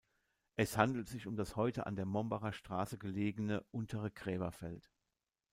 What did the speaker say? Es handelt sich um das heute an der Mombacher Straße gelegene, untere Gräberfeld.